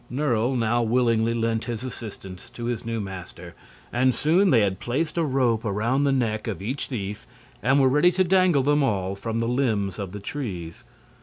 Nerle now willingly lent his assistance to his new master, and soon they had placed a rope around the neck of each thief and were ready to dangle them all from the limbs of the trees.